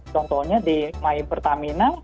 contohnya di my pertamina